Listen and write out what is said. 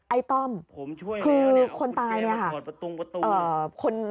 ไอ้ต้อมคือคนตายนี่ค่ะ